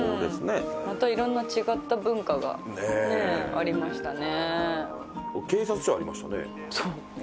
山本：また、色んな違った文化がありましたね。